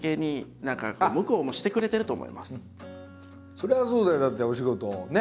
それはそうだよだってお仕事をね。